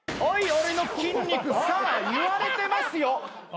俺の筋肉さあ言われてますよ。